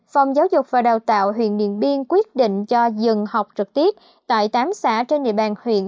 phòng giáo dục và đào tạo huyện điện biên quyết định cho dừng học trực tiếp tại tám xã trên địa bàn huyện